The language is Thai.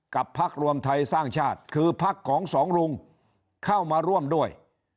พักรวมไทยสร้างชาติคือพักของสองลุงเข้ามาร่วมด้วย